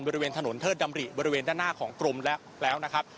บริเวณถนนเทิดดำริบริเวณด้านหน้าของกรมแล้วนะครับ